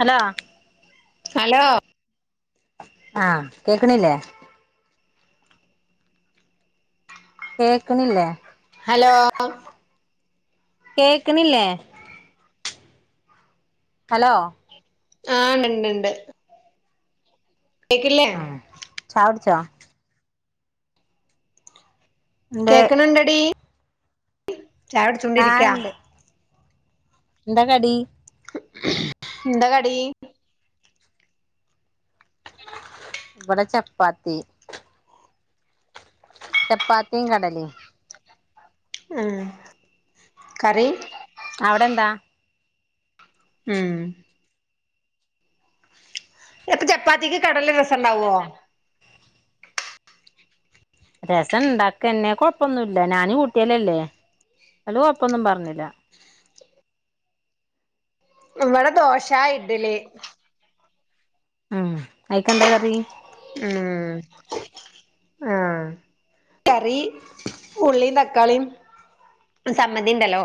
Hello hello ആഹ കേക്കണില്ലേ കേക്കണില്ലേ ഹലോ കേക്കണില്ലേ ഹലോ ആണ്ടണ്ട് ആഹ ചായ കുടിച്ചോ ഇണ്ട് കേക്കണുണ്ടടി ആഹ് ചായകുടിചോണ്ടിരിക്കാ ഇണ്ട് എന്താ കടി എന്താ കടി ഇവിടെ ചപ്പാത്തി ചപ്പാത്തിയും കടലയും ഉം കറി അവിടെ എന്താ ഉം അപ്പൊ ചപ്പാത്തിക്ക് കടല രസംണ്ടാവോ രസം ഉണ്ടാക്കതന്നെ കൊഴപ്പൊന്നുമില്ല ഞാനും കുട്ടിയലും അല്ലേ അവര് കൊഴപ്പൊന്നും പറഞ്ഞില്ല ഇവിടെ ദോശ ഇഡ്ലി ഉം അയിക് എന്താ കറി ഉം ആ കറി ഉള്ളീം തക്കാളി ചമ്മന്തി ഉണ്ടല്ലോ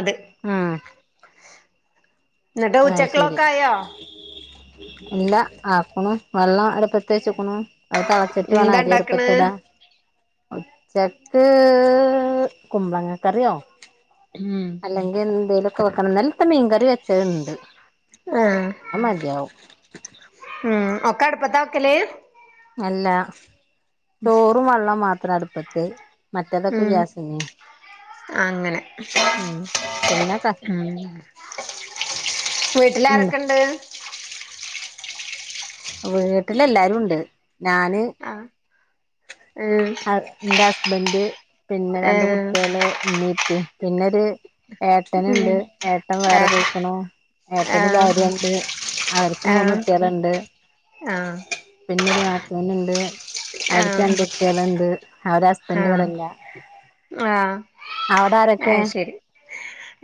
അത് ആഹ് എന്നിട്ട് ആത്ശരി ഉച്ചക്കുള്ളൊക്കെ ആയോ എല്ലാ ആക്കണ് വെള്ളം അട്പ്പാത് വെചക്കുണു അത് തെളച്ചിട്ട് വേണം എന്താ അരി അടപ്പ ഇണ്ടാക്കണ് ത്ത് ഇടാൻ ഉച്ചക്ക് കുമ്പങ്ങ കറിയോ ഉം അല്ലെങ്കിൽ എന്തേലുംലൊക്കെ വെക്കണന്ന് ഇന്നലെത്തെ മീൻ ആഹ് മതിയാവും ഉം ഒക്കെ അടപ്പതാ ആക്കല്ല് അല്ല ചോറും വെള്ളം മാത്രം അടുപ്പത്ത് മറ്റേതൊക്കെ ഉം ഗ്യാസ്മെ- അങ്ങനെ പിന്നെ ഉം വീട്ടിൽ ഉം ആരൊക്കെയുണ്ട് വീട്ടില് എല്ലാരും ഉണ്ട് ഞാന്- ആഹ് ഉം ! ! ഏ ! ! ! ! ! ഉം ഏട്ടന്ണ്ട്, ഏട്ടൻ ആ ആ വേറെ പൊയ്ക്ക്ണു. ആ ഏട്ടന് ഭാര്യണ്ട്. അവർക്കും മൂന്നുട്ട്യേള്ണ്ട്. ആഹ്! പിന്നെരു നാത്തൂന്ണ്ട്. ആ ആ അവര്ക്ക് രണ്ടുട്ട്യേള്ണ്ട്. അവരാസ് ! ! ! ! ! ! ! ആ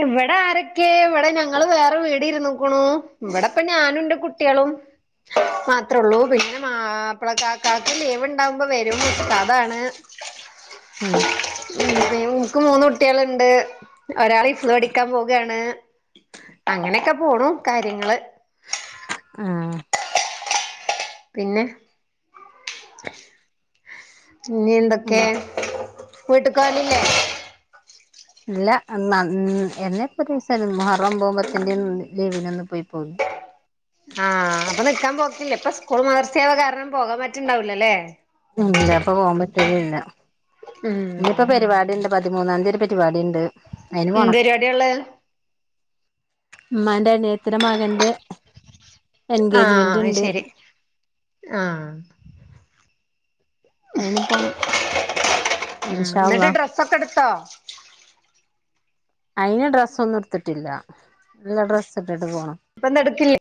ഇവിട ആരൊക്കേ, വടെ ഞങ്ങള് വേറെ വീട് ഇരുന്നുകുണൂ. ഇവിടെപ്പൊ ഞാനും ന്റെ കുട്ട്യെളും. മാത്രള്ളൂ, പിന്നെ മാപ്ലകാക്കാക്ക് ലീവ്ണ്ടാവുമ്പോ വെരും, ഉസ്താദാണ്. ഉം. മ്മ്, ഇൻക്കും മൂന്ന് കുട്ട്യേള്ണ്ട്. ഒരാള് ഹിഫ്ള് പഠിക്കാൻ പോവാണ്. അങ്ങനെക്കെ പോണു, കാര്യങ്ങള്. ആഹ്! പിന്നെ, ഞ്ഞി എന്തൊക്കെ, ഉം വീട്ട്ക്കോവലില്ലേ? ഇല്ല. എന്നാ എന്നെപ്പോരീസം മുഹറം ഒമ്പൊം പത്തിന്റേം ലീവിന്റന്ന് പോയിപ്പോന്ന്. ആഹ്, അപ്പൊ നിക്കാൻ പോക്കില്ലേ, പ്പൊ സ്കൂളും മദർസേള്ള കാരണം പോകാൻ പറ്റ്ണ്ടാവൂല്ല ല്ലേ. ഇല്ല, പ്പൊ പോവാൻ പറ്റൽല്ല. ഉം ഇഞ്ഞിപ്പൊ പെരിവാടിണ്ട്, പതിമൂന്നാന്തി ഒര് പെരിവാടിണ്ട്. അയിന് എന്ത് പോണം. പരിപാടിയാള്ളെ മ്മാന്റെ അനിയത്തിടെ മകന്റെ ആഹ് അത് എൻഗേജ്മെന്റ്ണ്ട്. ശരി ആഹ്! അയ്ന് പോണം. ഇൻഷാ അള്ളാ. സൊക്കെട്ത്തോ? അയ്ന് ഡ്രസ്സൊന്നുട്ത്ത്ട്ടില്ല. ല്ല ഡ്രസ്സ്ട്ടിട്ട് പോണം. പ്പൊ ന്തെട്ക്കില്ല്യെ.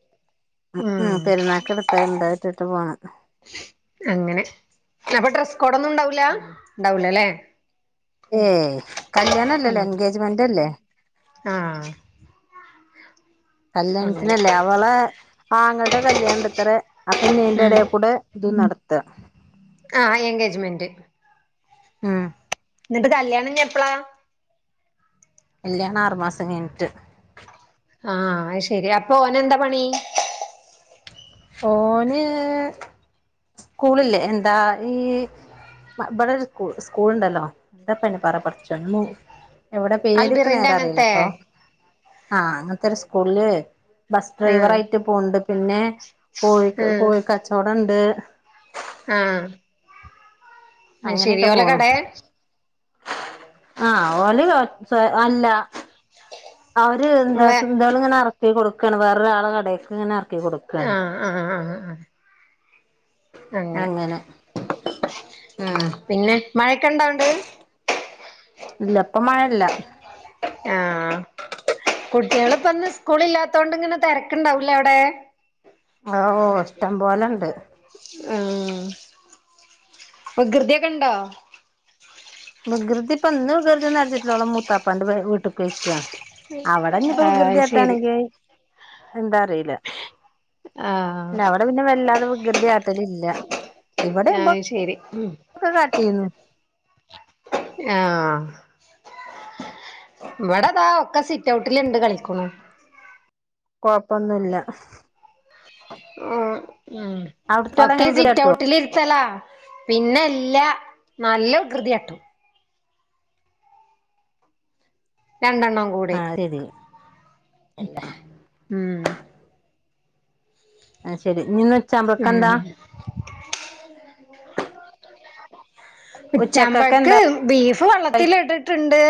ഉ ഉം, പെരുന്നാക്ക് എടുത്തത്ണ്ട് അതിട്ടിട്ട് പോണം. അങ്ങനെ അപ്പൊ ഡ്രസ്സ് കോടൊന്നുംണ്ടാവൂലാ, ഉം ണ്ടാവൂലല്ലേ. ഏയ്, കല്ല്യാണല്ലല്ലേ, ഉം എൻഗേജ്മെന്റല്ലേ ആഹ് അങ്ങനെ കല്ല്യാണ്ത്തിനല്ലേ, അവളെ ആങ്ങൾടെ കല്ല്യാണണ്ടത്രേ, അപ്പൊഞ്ഞ് ഉം അയ്ന്റെടേക്കൂടെ ത് നടത്ത. ആഹ് എൻഗേജ്മെന്റ് ഉം. ന്നട്ട് കല്യാണം ഇഞ്ഞെപ്പ്ളാ കല്ല്യാണാറ് മാസം കയ്ഞ്ഞ്ട്ട്. ആഹ്, അയ്ശെരി. അപ്പൊ ഓനെന്താ പണി. ഓന് സ്കൂൾല്ലേ എന്താ ഈ ന്ന ബടെ ഒര് സ്കൂൾ സ്കൂള്ണ്ടല്ലോ. ന്താപ്പൊ അയ്‌ന് പറാ, പടച്ചോനെ എവിടെ പേര്ക്ക് അൽബിറിന്റെ നേരെ അങ്ങനത്തെ അറീലട്ടോ. ആഹ്, അങ്ങൻത്തൊര് സ്കൂൾല് ബസ് ആഹ് ഡ്രൈവറായിട്ട് പോവ്ണ്ട്. പിന്നേ, കോഴിക്ക് ആഹ് കോഴിക്കച്ചോടംണ്ട്. ആഹ്, അയ്ശെരി, അങ്ങനെയൊക്കെ ഓലെ പോണു കടേ? ആഹ്, ഓല് കോ ർച്ചെ അല്ലാ, അവര് ന്താ വേ സുന്താള് ങ്ങനെ എറക്കി കൊട്ക്കാണ്. വേറൊരാളെ കടേക്ക് ങ്ങനെ എർക്കി കൊട് ആഹ്, ആഹ്, ആഹ്, ആഹ്, ആഹ് അങ്ങനെ, ഉം പിന്നെ മഴൊക്കെണ്ടാ ണ്ട്? ല്ല, പ്പം മഴല്ല. ആഹ്, കുട്ട്യേള്പ്പൊന്ന് സ്കൂളില്ലാത്തോണ്ട് ങ്ങനെ തെരക്കുണ്ടാവുലേ അവടെ. ആവോ, ഇഷ്ടംപോലെണ്ട്. ആഹ്, വികൃതിയൊക്കെണ്ടോ? വികൃതിപ്പെന്ന് വികൃതി ഒന്നും അട്ച്ചിട്ടില്ല. ഓളെ മൂത്താപ്പാന്റെ പെ വീട്ട്ക്കോയ്ക്കാ. അവിടെഞ്ഞിപ്പോ ആഹ് ശരി വികൃതിയട്ടാണെങ്കി എന്താ അറിയൂല. ആഹ് ഇല്ല അവിടെ പിന്നെ വല്ലാതെ വികൃതിയാട്ടലില്ല ഇവിടെയാവുപോ. ആഹ് ശരി ഉം ഓക്കെ കാട്ടിന്ന്. ആഹ ഇവടെതാ ഒക്കെ സിറ്റ് ഔട്ടില്ണ്ട് കളിക്കുണു കൊഴപ്പൊന്നുല്ല. ആ ഉം അവിടുത്തോള് ഓക്കേ അങ്ങനെ വികൃതി കാട്ടോ സിറ്റ്ഔട്ടില് ഇര്ത്തലാ. പിന്നെല്ല നല്ല വികൃതിയാട്ടും. രണ്ടെണ്ണം കൂടി ആ ശരി അല്ല ഉം. അത് ശെരിഞ്ഞിന്ന് ഉം ഉച്ചവുപക്കന്താ. ഉച്ചക്കൊക്കെ ഉച്ചാമ്പഴക്ക് എന്താ ബീഫ് വള്ളത്തിൽ ഇട്ടിട്ട്ണ്ട്.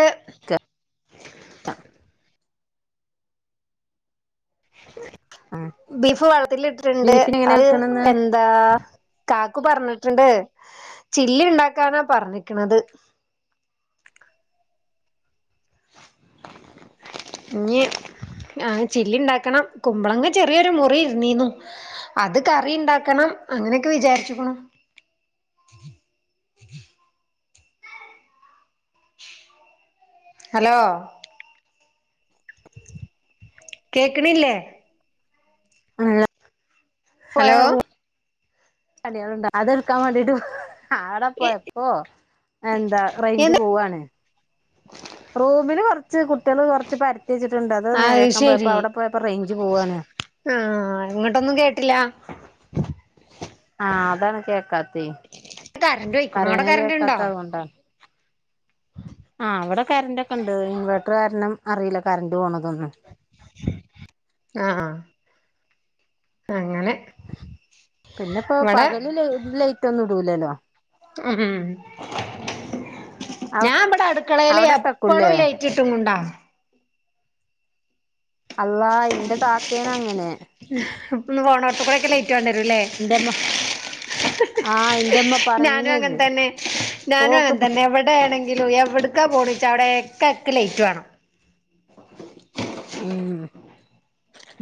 ബീഫ് വള്ളത്തിൽ ഇട്ടിട്ട്ണ്ട് ബീഫിന് എങ്ങനെ അഹ് വെക്കണ് ഇന്ന് എന്ത് എന്താ കാക്കു പറഞ്ഞിട്ട്ണ്ട് ചില്ലി ഉണ്ടാക്കാനാ പറഞ്ഞിക്കണത്. ഇഞ്ഞി ആ ചില്ലി ഉണ്ടാക്കണം കുമ്പളങ്ക ചെറിയൊരു മുറി ഇരുന്നീരുന്നു. അത് കറിണ്ടാക്കണം. അങ്ങനെയൊക്കെ വിചാരിച്ചക്കുണു. ഹലോ. [inaudible] കേക്ക്ണില്ലേ. [unintelligible] ഹലോ പടികളുണ്ട് അതെ എടുക്കാൻ വേണ്ടീട്ട് അവിടെപോയപ്പ. ഓ എന്താ റേഞ്ച് എന്ത് പോവയാണ്. റൂമില് കൊറച്ച് കുട്ടിള് കുറച്ച് പര്ത്തി ച്ചിട്ടുണ്ട് അത് നേരെയാക്കാൻ പോയപ്പോ അവിടെ പോയപ്പോ റേഞ്ച് പോവുവാണ്. ആഹ ഇങ്ങോട്ടൊന്നും കേട്ടില്ല. ആ അതാണ് കേക്കാത്തേ, കറന്റ് പോയിക്കണു അവിടെ പറയ്ണത് കറന്റ് കേക്കാത്ത ഉണ്ടോ അതോണ്ടാണ്. ആ് അവ്ടെ കറന്റക്കെ ഇണ്ട് ഇൻവേട്ടർകാരണം അറിയില്ല കറണ്ട്റ് പോണതൊന്നും. [inaudible] ആ അങ്ങനെ പിന്നെപ്പോ ഇവിടെ പകല് ല ലൈറ്റ് ഒന്നും ഇടൂലല്ലോ. ഹു ഹും. അവ ഞാൻ ഇബടെ അടുക്കളയില് അവിടെ ഇട്ടക്കൂല്ലേ എപ്പളും ലൈറ്റ് ഇട്ടു കൊണ്ടാ. അള്ളാ ഇന്റെ താത്തേണ് അങ്ങനെ. പ്പംന്ന് പോണോട്ത്ത്ക്കൂടെ ലൈറ്റ് വേണ്ടി വരുലേ ഇന്റെമ്മ ഞാനും അങ്ങേ പറഞ്ഞരും തന്നെ ഞാനും അങ്ങേ ഓക്ക് തന്നെ എവിടെയാണെങ്കി എങ്കിലും എവിട്ക്കാ പോണെച്ചാലും അവടെ എക്ക എക്കെ ലേറ്റ് വാണം. ഉം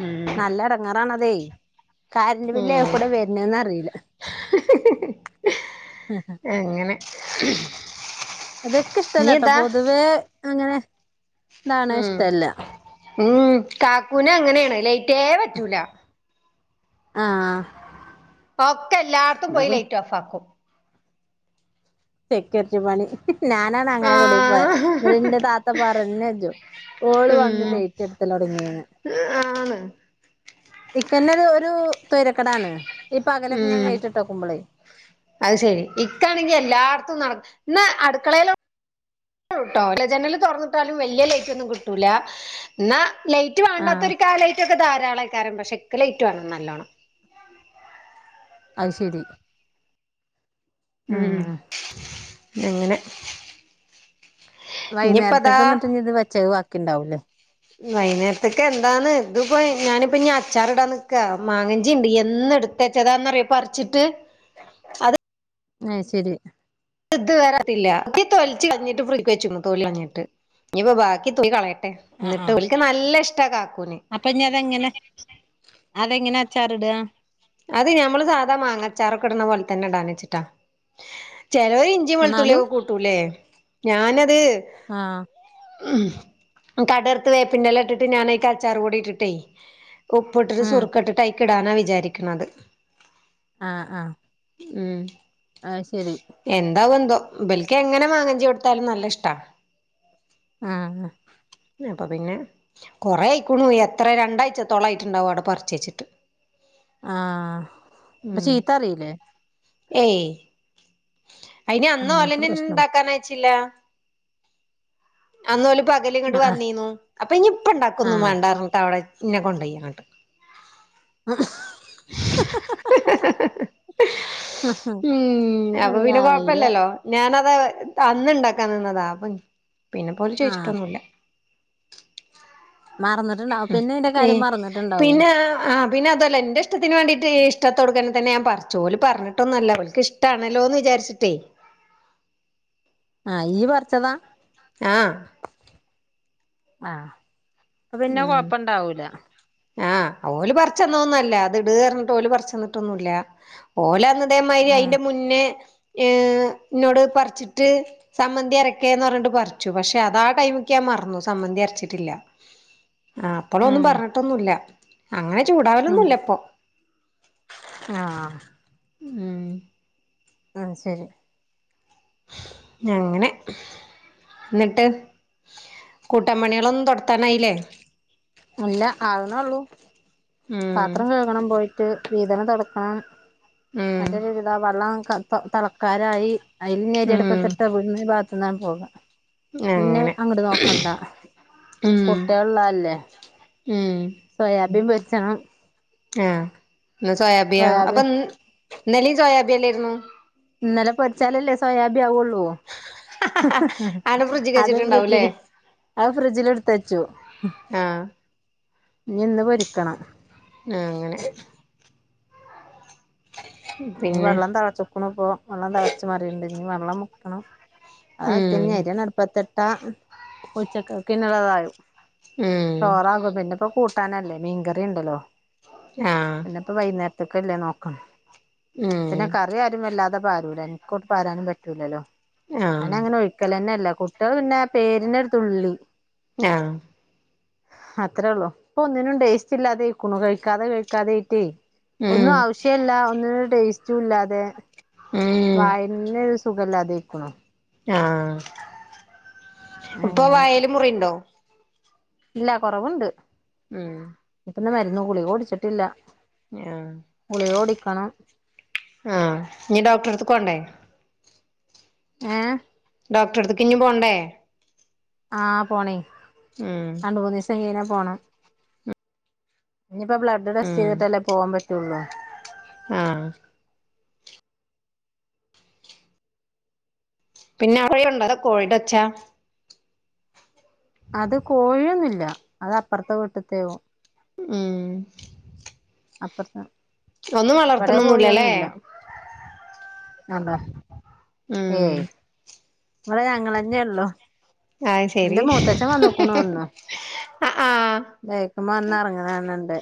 ഉം നല്ല ഇടങ്ങേറാണതേ. കറന്റെ്പില് ഉം യാകൂടെ വര്ന്ന് ന്ന അറിയില്ല. അങ്ങനെ. അത്ക്ക് ഇനി ഇഷ്ട്ടല്ലാട്ടോ ഇതാ പൊതുവേ അങ്ങനെ ഇതാണ് ഉം ഇഷ്ടല്ല ഉം കാക്കൂനേ അങ്ങനെയാണ് ലൈറ്റേ പറ്റൂല. ആഹ് ഒക്കേ എല്ലാട്ത്തുംപോയിലൈറ്റ്ഓഫാ ആക്കും. സെക്യൂരിറ്റി പണി ഞാനാണ് അങ്ങനെ കുടി പോയെ ആഹ് ഇങ്ങട്ട്ന്റെ താത്ത പറേംജൂം. ഓള് വന്ന് ഉം ലെയ്റ്റട്ത്തലൊട്ങ്ങീണ്. ആണ്. ഇക്കന്നെരു ഒരു തോയ്രക്കേടാണ്. പകലൊക്കെ ഇങ്ങനെ ഉം ലൈറ്റ്ട്ടകുംബ്ലെ അത് ശെരി ഇക്കാണെങ്കി എല്ലാട്ത്തും നട ഇന്നാ അട്ക്കളേലോ. ട്ടോ ജനൽ തുറന്നിട്ടാലും വല്യ ലൈറ്റ് ഒന്നും കിട്ടൂല ഇന്ന ലൈ ലൈറ്റ് വാണ്ടാത്ത ആഹ് ഒരു കാലായിറ്റൊക്കെ ധാളായികാരം പക്ഷേ ഇക്ക് ലേറ്റ് വാണം നല്ലോണം. അത് ശരി ഉം അങ്ങനെ ഇനിയിപ്പതാ വൈന്നേരത്ത്ക്ക്ന്നട്ട് ഞ്ഞ് ത് വെച്ചത് ബാക്കിണ്ടാവൂല്ലേ വൈന്നേരത്ത്ക്കെന്താന്ന് തിപ്പോ ഞാനിപ്പ ഞ്ഞി അച്ചാർടാൻ നിക്കാ. മാങ്ങഞ്ചി ഇണ്ട്. എന്ന് എടു പ്പെച്ചതാന്നറിയോ പർച്ചിട്ട് അത് - - അത്ശരി [unintelligible] വരത്തില്ല [inaudible] തൊലിച്ച് കഴഞ്ഞിട്ട് ഫ്രിജ് വച്ച് തൊലി കളഞ്ഞിട്ട് നിയിപ്പൊ ബാക്കി തൊലി കളയട്ടെ. ന്നിട്ട് ഓൽക്ക് നല്ലഷ്ടാ കാക്കൂന് അപ്പനി അതെങ്ങനെ, അതെങ്ങനെ അച്ചാറിടുക അത് ഞമ്മള് സാധാ മാങ്ങച്ചാറൊക്കെ ട്ണ പോൽ തന്നെ ഇടാന്നിച്ചിട്ടാ ചിലോരിഞ് ഇഞ്ചിയും എന്നാലും വെളുത്തുള്ളിയൊക്കെ കൂട്ടൂല്ലേ ഞാനത് ആഹ് ഉം അപ്പതെട്ർത്ത് വേപ്പിന്റെല ഇട്ടിട്ട് ഞാനയ്ക്കച്ചാറ് പൊടിട്ടിട്ടേയ് ഉപ്പിട്ടിട്ട് ഉം സുറുക്ക ഇട്ടിട്ട് അയിക്കിടാനാ വിചാരിക്കണത് ആഹ് ആഹ് ഉം അയ്ശരി എന്താവുന്തോ. ഇബൽക്ക് എങ്ങനെ മാങ്ങഞ്ചി കൊടുത്താലും നല്ല ഇഷ്ടാ.. ആഹ് അപ്പ പിന്നെ കുറേ ആയിക്കോണു എത്ര രണ്ടാഴ്ചത്തോളം ആയിട്ടുണ്ടാവും അവിടെ പറിച്ച് വച്ചിട്ട് ആഹ് അപ്പൊ ഉം ചീത്തറിയില്ലേ ഏയ് അയിനി അന്ന് അങ്ങനത്തെ ഒലന്നെ പ്രശ്നം ഇണ്ടാക്കാൻ അയച്ചില്ല അന്നോല് പകല് ഇങ്ങട്ട് ആഹ് വന്നീന്നു. അപ്പൊ ഇനി ഇപ്പ ണ്ടാക്കുന്നു ആഹ് വേണ്ടാ ർത്തിട്ടഅവടെ വെ ഇന്നെ കൊണ്ട്യ്യാങ്ങട്ട് [unintelligible] ഉം.. അപ്പ പിന്നെ അല്ലാഹ് വയ്യ കൊഴപ്പല്ലല്ലോ ഞാനത് അന്ന് ണ്ടാക്കാൻ നിന്നതാ. അപ്പം പിന്നെപ്പോല് ആഹ് ചോയ്ച്ചിട്ടൊന്നുല്ല മറന്നിട്ടുണ്ടാവും പിന്നെ നിന്റെ മ് കാര്യം മറന്നിട്ടുണ്ടാവേ പിന്നെ ആ അ പിന്നെ അതല്ല എന്റെഷ്ടത്തിന് വേണ്ടീട്ട് ഇഷ്ടത്തോടുക്ക തന്നെ ഞാൻ പറിച്ചു ഓല് പറഞ്ഞിട്ടൊന്നല്ല അവൾക്കിഷ് ട്ടാണല്ലോ ന്ന് വിചാരിച്ചിട്ടേയ് അത് ഈ പറച്ചതാ ആഹ് ആ പ്പൊ പിന്നെ ഉം കൊഴപ്പണ്ടാവൂല ആഹ്, ഓല് പർച്ചെന്നൊന്നല്ല.. ത് ട്.. അർഞ്ഞിട്ട് ഓല് പറിച്ചന്നിട്ടൊന്നുല്ല ഓലന്ന് അതേമായിരി ഉം അതിന്റെ മുന്നേ ഏഹ് എന്നോട് പറിച്ചിട്ട് സമ്മന്തി അരക്കേന്ന് പറഞ്ഞിട്ട് പർച്ചു. പക്ഷെ അതാ ടൈമിക്ക് ഞാൻ മർന്നു. സമ്മന്തി അരച്ചിട്ടില്ല. മാപ്പളൊന്നും ഉം പറഞ്ഞിട്ടൊന്നുല്ല. അങ്ങനെ ഉം ചൂടാവലൊന്നുല്ല പ്പൊ ആഹ് ഉം... ആഹ് ശരി നങ്ങനെ എന്നിട്ട് കൂട്ടാൻ പണിയളൊന്നും തൊട്ത്താനായില്ലേ ഇല്ല. ആക്ണൊള്ളൂ. ഉം പാത്രം കഴുകണം പോയിട്ട് വീതനം തൊടക്കണം ഉം [unintelligible] വെള്ളം തലക്കാരായി അതിൽ ഉം നിരിടപ്പത്തിട്ട് [unintelligible] പോക പിന്നെ അങ്ങനെ അങ്ങോട്ട് നോക്ക കണ്ടാ ഉം കുട്ടികളുളളതല്ലേ ഉം സോയാബീൻ പൊര്ച്ചണം ആഹ്, ഇന്നു സോയാബിയാ അപ്പൊ സോയാബീൻ ഇന്നലെം സോയാബിയല്ലേരുന്നു. ഇന്നലെ പൊരിച്ചാലല്ലേ സോയാബീ ആവുള്ളൂ ആടെ ഫ്രിഡ്ജ്ക്ക് അത് വെച്ചിട്ടുണ്ടാവുംല്ലേ ഫ്രിഡ്ജില് അത് ഫ്രിഡ്ജില് എടുത്തുവച്ചു. ആഹ് ഇനി ഇന്ന് പൊരിക്കണം ന്ന അങ്ങനെ ഞ്ഞ് പിന്നെ വള്ളം തിളച്ചുക്കുണു ഇപ്പോ വള്ളം തിളച്ച് മറിണ്ട് ഞ്ഞ് വള്ളം മുക്കണം അത്അക്കനെ ഉം അരി ആണ്ട് അടുപ്പത്ത് ഇട്ടാ ഉച്ചയ്ക്കക്ക് പിന്നെ അത് ആണ്ട് ആവും. ഉം ചോറാകും പിന്നെയിപ്പോ കൂട്ടാനല്ലേ മീൻകറി ഉണ്ടല്ലോ ആഹ് ഇപ്പം വൈകുന്നേരത്തേക്കല്ലേ [unintelligible] പിന്നെ ഉം ക ഇവിടെ ആരും വല്ലാതെ പാരൂല. എനിക്കൊട്ട് പാരാനും പറ്റൂല്ലല്ലോ, ആഹ് ഞാനെങ്ങനെ ഒഴി ക്കലെന്നെല്ല കുട്ടികള് പിന്നെ പേരിനൊരു തുള്ളി ങ്‌ഹാ അത്രേള്ളൂ ഇപ്പൊ ഒന്നിനും ടേസ്റ്റ് ഇല്ലാതെ ആയിക്കുണു കഴിക്കാതെ കഴിക്കാതെ ആയിട്ടേ ഒന്നും ഉം ആവശ്യേല്ല, ഒന്നിനും ഒരു ടേസ്റ്റും ഇല്ലാതെ [unintelligible] ഉം തന്നെ ഒരു സുഖല്ലാതെക്കുണു ആഹ് ഇപ്പൊ അങ്ങനെ വായ്ല് മുറിണ്ടോ ഇല്ല കുറവുണ്ട് ഉം [unintelligible] മരുന്നു ഗുളിക [unintelligible] ആഹ് ഗുളിക [unintelligible] ആഹ് ഞ്ഞ് ഡോക്ടറെട്ത്ത്ക്ക് കൊണ്ടേ ഏഹ് ഡോക്ടറടുത്തേക്ക് ഇനി പോണ്ടേ ആ പോണേ ഉം രണ്ട് മൂന്ന് ദിവസായി ഇങ്ങനെ പോണു ഇഞ്ഞ്പ്പോ ബ്ലഡ് ടെസ്റ്റ് ഉം ചെയ്തിട്ടല്ലേ പോവാൻ പറ്റുള്ളൂ ആഹ് പിന്നെ [unintelligible] കോഴിടെ ഒച്ച അത് കോഴിയൊന്നുല്ല, അത് അപ്പുറത്തെ വീട്ടിത്തെയോ ഉം അപ്പറത്ത ഒന്നും ഇവിടെ വളർത്തണൊന്നുല്ലല്ലേ കോഴിയൊന്നുവില്ല മാണ്ട ഏ ഉം ഇവിടെ ഞങ്ങളന്നെ ഉള്ളു അത് എന്റെ മൂത്തച്ഛൻ വന്നേക്കണു ഇന്ന് ആ ആ ബേക്കുബന്ന് എറ്ങ്ങ്ണ്. കാണ് ണുണ്ട്